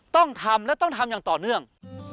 ต้องทำและต้องทำอย่างต่อเนื่อง